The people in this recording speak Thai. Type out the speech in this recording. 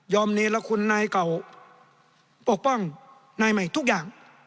เนรคุณนายเก่าปกป้องนายใหม่ทุกอย่าง